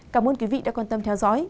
cảm ơn quý vị đã quan tâm theo dõi